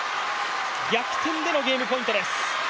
逆転でのゲームポイントです。